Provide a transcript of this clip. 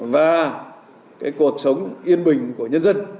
và cuộc sống yên bình của nhân dân